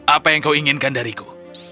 apa yang kau inginkan dariku